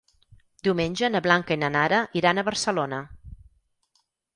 Diumenge na Blanca i na Nara iran a Barcelona.